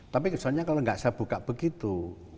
tapi misalnya kalau gak saya buka begitu